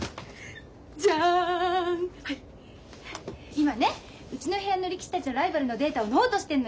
今ねうちの部屋の力士たちのライバルのデータをノートしてんのよ。